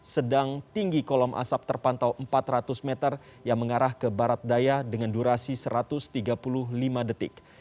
sedang tinggi kolom asap terpantau empat ratus meter yang mengarah ke barat daya dengan durasi satu ratus tiga puluh lima detik